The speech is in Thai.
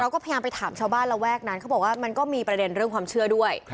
ก็พยายามไปถามชาวบ้านระแวกนั้นเขาบอกว่ามันก็มีประเด็นเรื่องความเชื่อด้วย